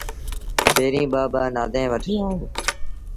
پيريٚݩ ٻآ ٻآ نآديٚݩ وٺي آئو۔